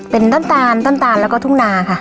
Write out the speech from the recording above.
เป็นต้นตาลต้นตาลแล้วก็ทุ่งนาค่ะ